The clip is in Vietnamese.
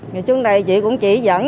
ngày trước này chị cũng chỉ dẫn